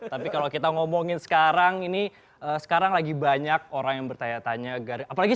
tapi kalau kita ngomongin sekarang ini sekarang lagi banyak orang yang bertanya tanya apalagi